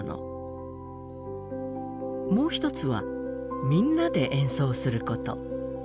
もう一つは「みんなで演奏すること」。